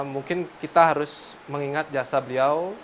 mungkin kita harus mengingat jasa beliau